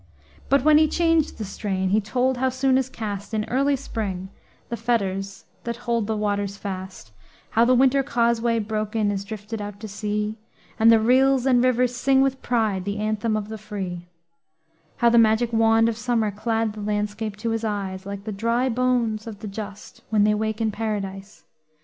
But when he changed the strain, he told how soon is cast In early Spring, the fetters that hold the waters fast; How the Winter causeway, broken, is drifted out to sea, And the rills and rivers sing with pride the anthem of the free; How the magic wand of Summer clad the landscape to his eyes, Like the dry bones of the just when they wake in Paradise.